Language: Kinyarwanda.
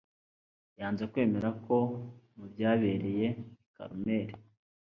Yanze kwemera ko mu byabereye i Karumeli